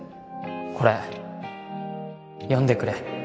これ読んでくれ